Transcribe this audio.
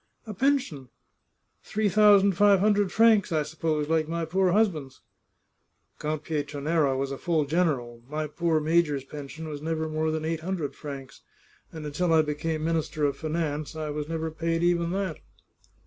" A pension ! Three thousand five hundred francs, I suppose, like my poor husband's." " Count Pietranera was a full general. My poor major's pension was never more than eight hundred francs, and until I became Minister of Finance I was never paid even that